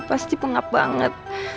pasti pengap banget